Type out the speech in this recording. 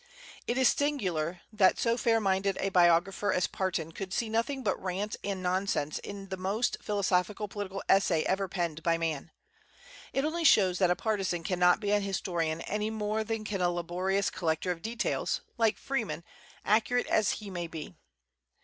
It is singular that so fair minded a biographer as Parton could see nothing but rant and nonsense in the most philosophical political essay ever penned by man. It only shows that a partisan cannot be an historian any more than can a laborious collector of details, like Freeman, accurate as he may be.